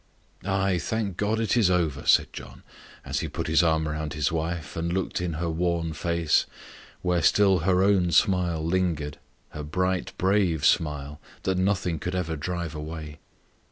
"Ay, thank God it is over!" said John, as he put his arm round his wife, and looked in her worn face, where still her own smile lingered her bright, brave smile, that nothing could ever drive away.